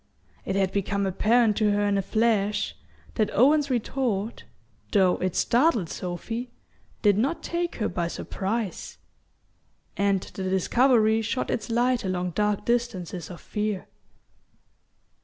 It had become apparent to her in a flash that Owen's retort, though it startled Sophy, did not take her by surprise; and the discovery shot its light along dark distances of fear.